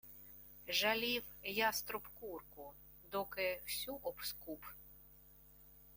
Жалів яструб курку — доки всю обскуб.